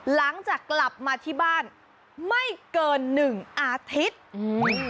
หลังจากกลับมาที่บ้านไม่เกินหนึ่งอาทิตย์อืม